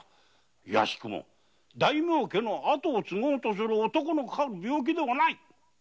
いやしくも大名家を継ごうとする男のかかる病気ではない！